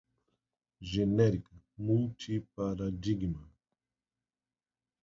genérica, multiparadigma